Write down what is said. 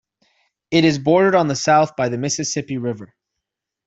It is bordered on the south by the Mississippi River.